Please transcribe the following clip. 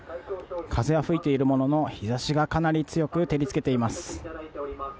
風は吹いているものの、日ざしはかなり強く照りつけています。